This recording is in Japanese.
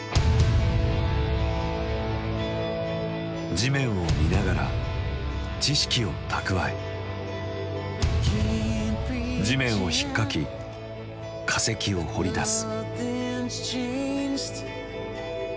地面を見ながら知識を蓄え地面をひっかき化石を掘り出す。